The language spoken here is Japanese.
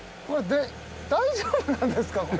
これ大丈夫なんですか？